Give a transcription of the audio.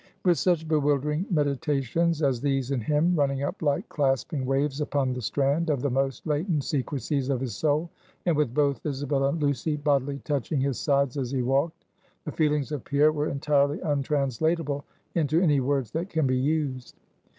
With such bewildering meditations as these in him, running up like clasping waves upon the strand of the most latent secrecies of his soul, and with both Isabel and Lucy bodily touching his sides as he walked; the feelings of Pierre were entirely untranslatable into any words that can be used.